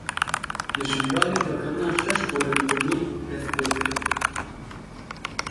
Li Şingalê vekirina şeş gorên komî dest pê kir.